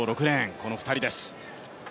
この２人です。